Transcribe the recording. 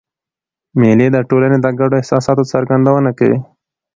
مېلې د ټولني د ګډو احساساتو څرګندونه کوي.